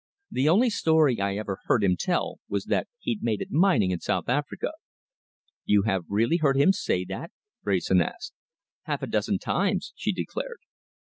"The only story I ever heard him tell was that he'd made it mining in South Africa." "You have really heard him say that?" Wrayson asked. "Half a dozen times," she declared.